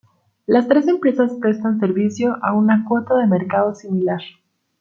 Las tres empresas prestan servicio a una cuota de mercado similar.